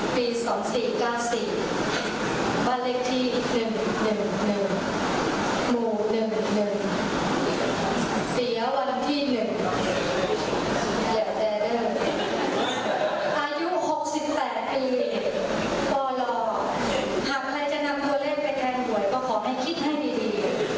พี่หนึ่งอายุ๖๘ปีปรถามอะไรจะนำโทรเล็กไปแทนหวยก็ขอให้คิดให้ดี